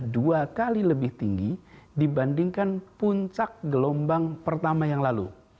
dan angka enam puluh empat ini adalah dua kali lebih tinggi dibandingkan puncak gelombang pertama yang lalu